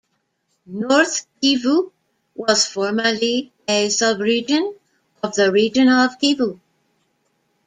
North Kivu was formerly a "sub-region" in the region of Kivu.